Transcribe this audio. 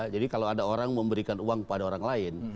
jadi kalau ada orang memberikan uang pada orang lain